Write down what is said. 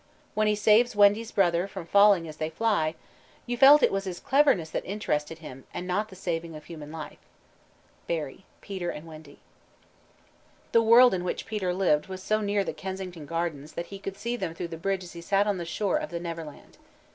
When he saves Wendy's brother from falling as they fly, "You felt it was his cleverness that interested him, and not the saving of human life." BARRIE: Peter and Wendy. The world in which Peter lived was so near the Kensington Gardens that he could see them through the bridge as he sat on the shore of the Neverland.